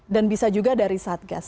dan bisa juga dari satgas